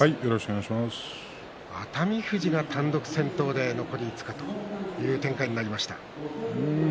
熱海富士が単独先頭で残り５日という展開になりました。